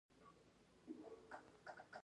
مېز د تلویزیون لپاره هم وي.